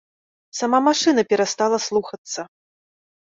Сама машына перастала слухацца.